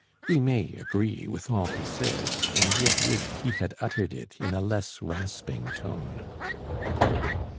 We may agree with all he says, and yet wish he had uttered it in a less rasping tone.